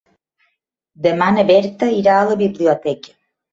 Demà na Berta irà a la biblioteca.